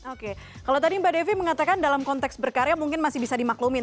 oke kalau tadi mbak devi mengatakan dalam konteks berkarya mungkin masih bisa dimaklumin